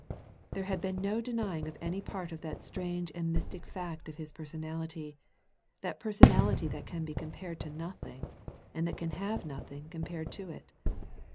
There had been no denying of any part of the strange and mystic fact of His personality, that personality that can be compared to nothing, and that can have nothing compared to it.